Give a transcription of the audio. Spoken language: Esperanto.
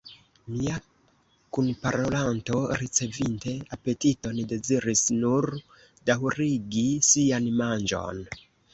Mia kunparolanto, ricevinte apetiton, deziris nur daŭrigi sian manĝon.